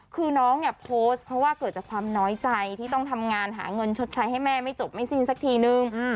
คือน้องเนี่ยโพสต์เพราะว่าเกิดจากความน้อยใจที่ต้องทำงานหาเงินชดใช้ให้แม่ไม่จบไม่สิ้นสักทีนึง